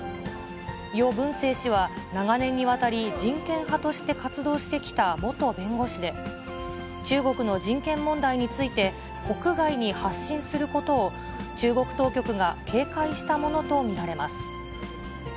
余文生氏は、長年にわたり人権派として活動してきた元弁護士で、中国の人権問題について国外に発信することを、中国当局が警戒したものと見られます。